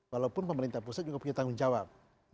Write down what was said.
walaupun pemerintah pusat juga punya tanggung jawab